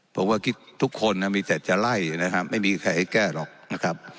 ผมก็คิดทุกคนนะมีแต่จะไล่นะครับไม่มีใครให้แก้หรอกนะครับ